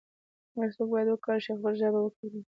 هر څوک باید وکولای شي خپله ژبه وکاروي.